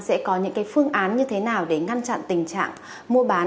sẽ có những phương án như thế nào để ngăn chặn tình trạng mua bán